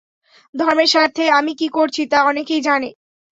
ধর্মের স্বার্থে আমি কি করছি তা অনেকেই জানে।